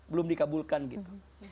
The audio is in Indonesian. belum dikabulkan gitu